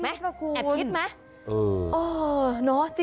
แอบคิดเหรอครู